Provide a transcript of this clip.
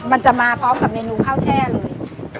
มันจะมาพร้อมกับเมนูข้าวแช่เลย